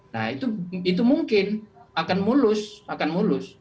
nah itu mungkin akan mulus akan mulus